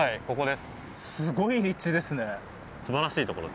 すごい立地ですね。